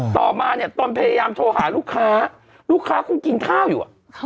ต่อมาเนี่ยตนพยายามโทรหาลูกค้าลูกค้าคงกินข้าวอยู่